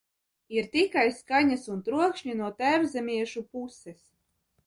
"Ir tikai skaņas un trokšņi no "tēvzemiešu" puses."